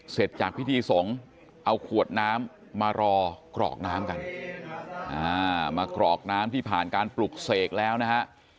เสร็จจากพิธีสงฆ์เอาขวดน้ำมารอกรอกน้ำกันมากรอกน้ำที่ผ่านการปลุกเสกแล้วนะฮะ